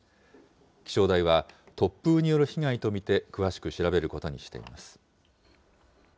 気象台は、突風による被害と見て詳しく調べることにしています。